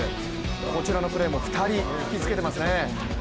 こちらのプレーも２人、引きつけていますね。